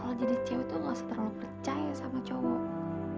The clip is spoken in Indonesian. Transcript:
kalau jadi cio itu gak usah terlalu percaya sama cowok